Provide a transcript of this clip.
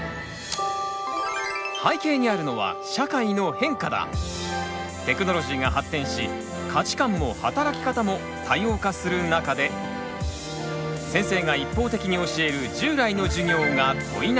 背景にあるのはテクノロジーが発展し価値観も働き方も多様化する中で先生が一方的に教える従来の授業が問い直されている。